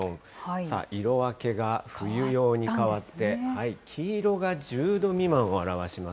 さあ、色分けが冬用に変わって、黄色が１０度未満を表します。